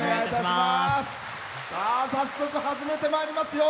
早速、始めてまいりますよ。